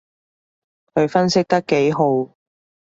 佢分析得幾號